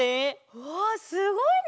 うわすごいね！